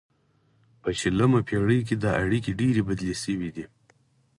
په شلمه پیړۍ کې دا اړیکې ډیرې بدلې شوې